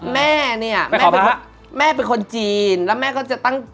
แม่เนี่ยแม่เป็นคนจีนแล้วแม่ก็จะตั้ง